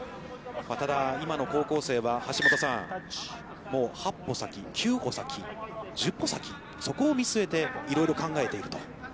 ただ、今の高校生は、橋下さん、もう８歩先、９歩先、１０歩先、そこを見据えていろいろ考えていると。